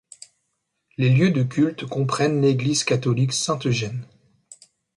Les lieux de culte comprennent l’église catholique Saint-Eugène.